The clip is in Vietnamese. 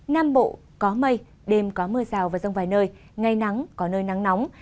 nam bộ có mây đêm có mưa rào và rông vài nơi ngày nắng có nơi nắng nóng